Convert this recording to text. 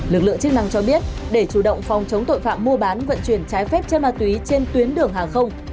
lực lượng chức năng cho biết để chủ động phòng chống tội phạm mua bán vận chuyển trái phép chân ma túy trên tuyến đường hàng không